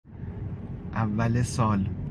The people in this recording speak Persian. اول سال